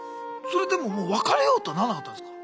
それでももう別れようとはならなかったんですか？